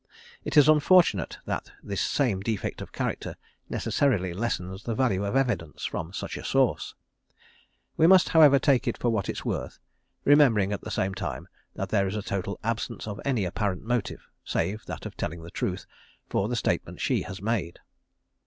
It is unfortunate that this same defect of character necessarily lessens the value of evidence from such a source. We must, however, take it for what it is worth, remembering at the same time, that there is a total absence of any apparent motive, save that of telling the truth, for the statement she has made.